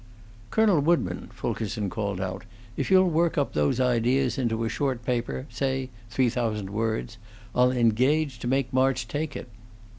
"Colonel Woodburn," Fulkerson called out, "if you'll work up those ideas into a short paper say, three thousand words I'll engage to make March take it."